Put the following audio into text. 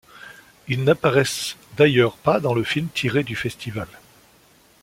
Ils n'apparaissent d'ailleurs pas dans le film tiré du festival.